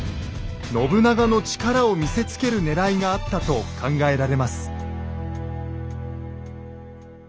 信長の力を見せつけるねらいがあったと考えられます。